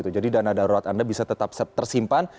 jadi dana darurat anda bisa tetap tersimpan